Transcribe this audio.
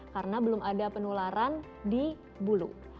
karena belum ada penularan di bulu